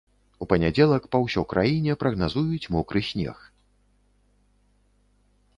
У панядзелак па ўсё краіне прагназуюць мокры снег.